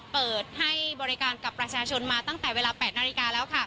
เปิดให้บริการกับประชาชนมาตั้งแต่เวลา๘นาฬิกาแล้ว